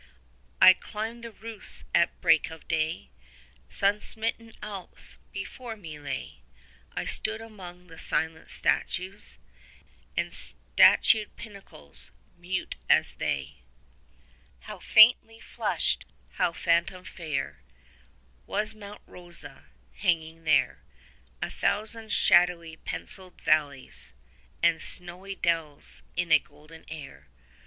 60 I climbed the roofs at break of day; Sun smitten Alps before me lay. I stood among the silent statues, And statued pinnacles, mute as they. How faintly flushed, how phantom fair, 65 Was Monte Rosa, hanging there A thousand shadowy pencilled valleys And snowy dells in a golden air.